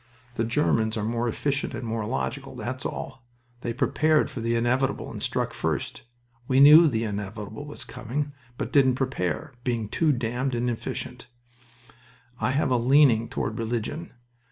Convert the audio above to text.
The Germans are more efficient and more logical that's all. They prepared for the inevitable and struck first. We knew the inevitable was coming, but didn't prepare, being too damned inefficient... I have a leaning toward religion.